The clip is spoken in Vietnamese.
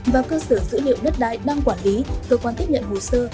và cơ sở dữ liệu đất đai đang quản lý cơ quan tiếp nhận hồ sơ